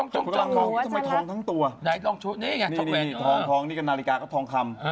ทำไมทองทั้งตัวทองนี่ก็นาฬิกาก็ทองคำ